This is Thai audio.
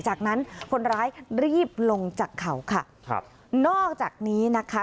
จากนั้นคนร้ายรีบลงจากเขาค่ะครับนอกจากนี้นะคะ